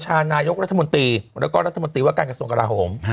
นายกรัฐมนตรีแล้วก็นักการกระทบนตรีและการกระทบนตรีว่าการเกศาลงค์กระโหลม